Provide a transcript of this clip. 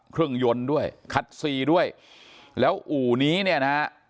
เครื่องยนต์ด้วยคัดซีด้วยแล้วอู่นี้เนี่ยนะฮะ